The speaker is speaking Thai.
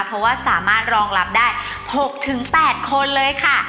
เพราะว่าสามารถรองรับได้๖๘คนเลยค่ะ